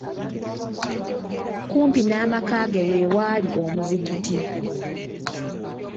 Kumpi n'amaka ge we waali omuzigiti.